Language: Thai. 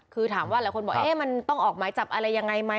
คือถามว่าหลายคนบอกมันต้องออกหมายจับอะไรยังไงไหม